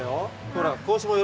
ほら。